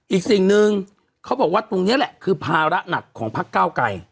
อีกสิ่งหนึ่งเขาบอกว่าตรงนี้แหละคือภาระหนักของพักเก้าไกร